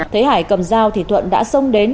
thấy hải cầm dao thì thuận đã sông đến